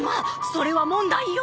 それは問題よ！